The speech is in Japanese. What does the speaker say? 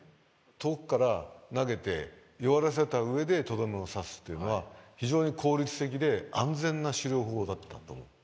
遠くから投げて弱らせた上でとどめを刺すっていうのは非常に効率的で安全な狩猟法だったと思う。